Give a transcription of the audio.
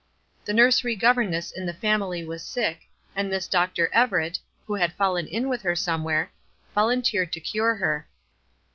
The nursery governess in the family was sick, and this Dr. Everett, who had fallen in with her somewhere, volunteered to cure her.